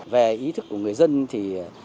về ý thức của người dân thì